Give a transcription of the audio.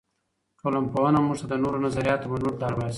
ټولنپوهنه موږ ته د نورو نظریاتو منلو ته اړ باسي.